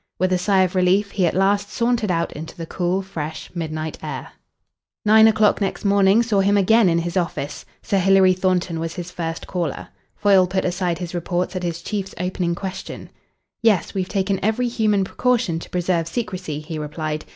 With a sigh of relief, he at last sauntered out into the cool, fresh midnight air. Nine o'clock next morning saw him again in his office. Sir Hilary Thornton was his first caller. Foyle put aside his reports at his chief's opening question. "Yes, we've taken every human precaution to preserve secrecy," he replied.